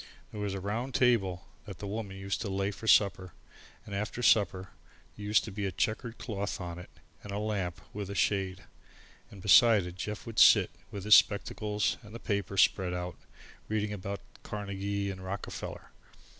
There was a round table that The Woman used to lay for supper, and after supper there used to be a chequered cloth on it and a lamp with a shade. And beside it Jeff would sit, with his spectacles on and the paper spread out, reading about Carnegie and Rockefeller.